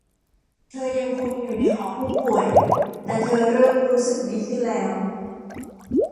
เธอยังคงอยู่ในหอผู้ป่วยแต่เธอเริ่มรู้สึกดีขึ้นแล้ว